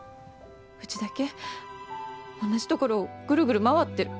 うちだけ同じ所をぐるぐる回ってる。